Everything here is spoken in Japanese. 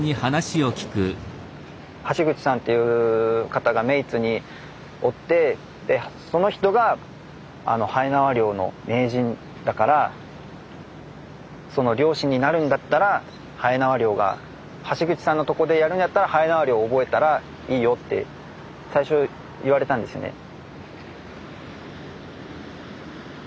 橋口さんという方が目井津におってでその人がはえなわ漁の名人だからその漁師になるんだったらはえなわ漁が橋口さんのとこでやるんやったらはえなわ漁覚えたらいいよって最初言われたんですね。